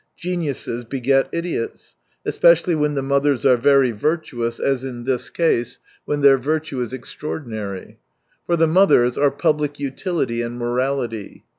Geniuses beget idiots : especially when the mothers are very virtuous, as in this case, 174 when their virtue is extraordinary. For the mothers are public utility and morality.